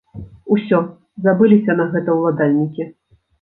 Усё, забыліся на гэта ўладальнікі?